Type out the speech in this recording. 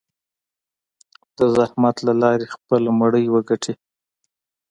د زحمت له لارې خپله مړۍ وګټي.